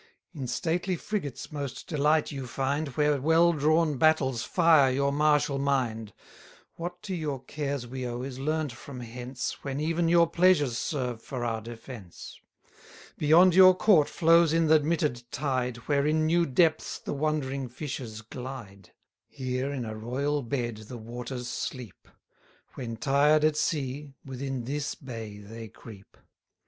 In stately frigates most delight you find, Where well drawn battles fire your martial mind. What to your cares we owe, is learnt from hence, When even your pleasures serve for our defence. 110 Beyond your court flows in th' admitted tide, Where in new depths the wondering fishes glide: Here in a royal bed the waters sleep; When tired at sea, within this bay they creep.